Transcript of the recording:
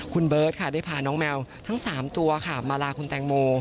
คุณเบิร์ตค่ะได้พาน้องแมวทั้ง๓ตัวค่ะมาลาคุณแตงโม